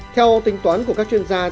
theo tính toán của các chuyên gia